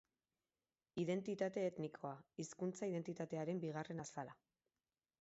Identitate etnikoa, hizkuntza identitatearen bigarren azala.